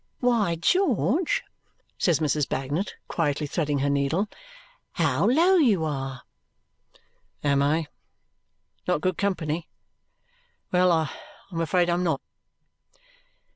"Why, George!" says Mrs. Bagnet, quietly threading her needle. "How low you are!" "Am I? Not good company? Well, I am afraid I am not."